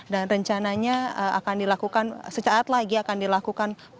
dan rencananya akan dilakukan secaat lagi akan dilakukan